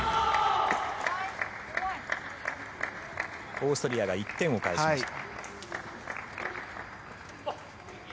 オーストリアが１点を返しました。